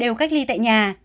eo cách ly tại nhà